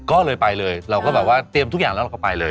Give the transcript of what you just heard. ก็เลยไปเลยเราก็แบบว่าเตรียมทุกอย่างแล้วเราก็ไปเลย